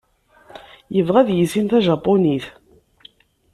Yebɣa ad yissin tajapunit.